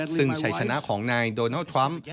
ซึ่งชัยชนะของนายโดนัลด์ทรัมป์